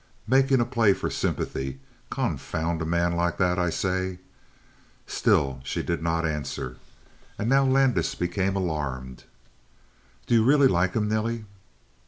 "Makin' a play for sympathy. Confound a man like that, I say!" Still she did not answer; and now Landis became alarmed. "D'you really like him, Nelly?"